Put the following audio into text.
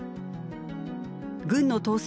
軍の統制